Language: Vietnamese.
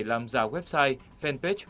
làm giả website fanpage